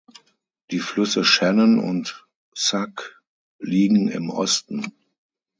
Die Flüsse Shannon und Suck liegen im Osten.